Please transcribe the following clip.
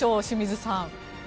清水さん。